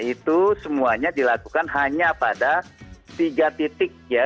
itu semuanya dilakukan hanya pada tiga titik ya